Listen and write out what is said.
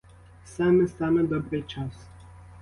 Саме, саме добрий час!